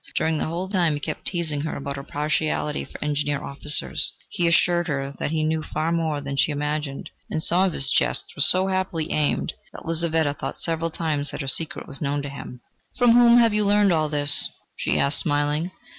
During the whole of the time he kept teasing her about her partiality for Engineer officers; he assured her that he knew far more than she imagined, and some of his jests were so happily aimed, that Lizaveta thought several times that her secret was known to him. "From whom have you learnt all this?" she asked, smiling.